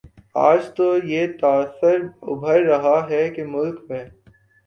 آج تو یہ تاثر ابھر رہا ہے کہ ملک میں